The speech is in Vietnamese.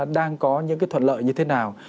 đang có những cái thuận lợi như thế nào